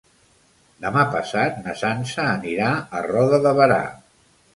Demà passat na Sança anirà a Roda de Berà.